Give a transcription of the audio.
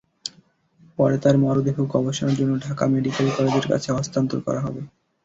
পরে তাঁর মরদেহ গবেষণার জন্য ঢাকা মেডিকেল কলেজের কাছে হস্তান্তর করা হবে।